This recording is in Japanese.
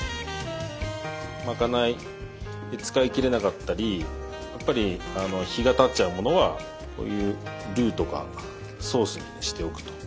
まかないで使いきれなかったりやっぱり日がたっちゃうものはこういうルーとかソースにしておくと。